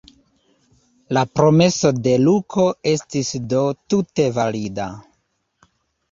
La promeso de Luko estis do tute valida.